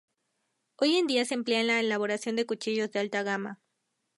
Hoy en día se emplea en la elaboración de cuchillos de alta gama.